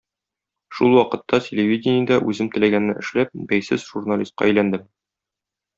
Шул вакытта телевидениедә үзем теләгәнне эшләп, бәйсез журналистка әйләндем.